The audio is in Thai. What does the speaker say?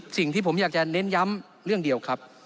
สิ่งที่ผมอยากจะเน้นย้ำเรื่องเดียวครับ